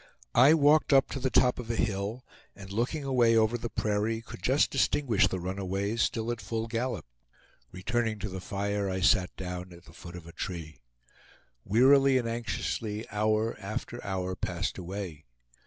I walked up to the top of a hill, and looking away over the prairie, could just distinguish the runaways, still at full gallop. Returning to the fire, I sat down at the foot of a tree. Wearily and anxiously hour after hour passed away.